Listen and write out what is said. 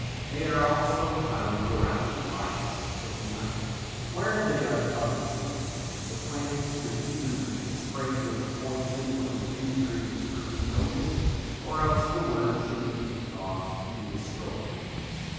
They are also found around lights at night. Where they are troublesome the plants should either be sprayed with a poison when the injury is first noticed or else the worms should be picked off and destroyed.